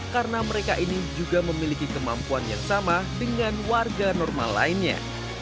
karena mereka ini juga memiliki kemampuan yang sama dengan warga normal lainnya